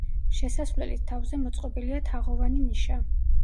შესასვლელის თავზე მოწყობილია თაღოვანი ნიშა.